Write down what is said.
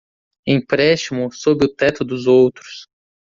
Empréstimo sob o teto dos outros